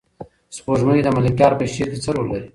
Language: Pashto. سپوږمۍ د ملکیار په شعر کې څه رول لري؟